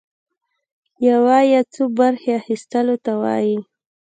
يوه يا څو برخي اخيستلو ته وايي.